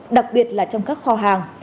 đặc biệt là trong các kho hàng